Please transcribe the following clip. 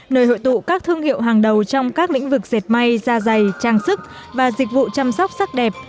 nơi hội tụ các thương hiệu hàng đầu trong các lĩnh vực dệt may da dày trang sức và dịch vụ chăm sóc sắc đẹp